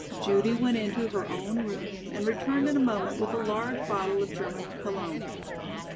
Judy went into her own room and returned in a moment with a large bottle of German cologne.